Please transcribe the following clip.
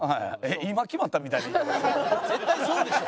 絶対そうでしょ。